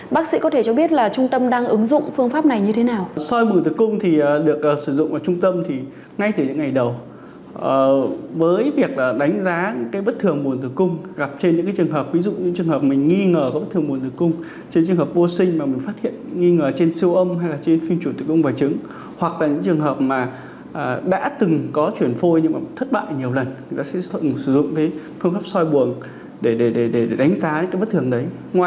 bác sĩ có thể cho biết là trung tâm đang ứng dụng phương pháp này như thế nào